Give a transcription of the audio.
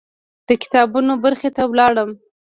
د کتابونو برخې ته لاړم.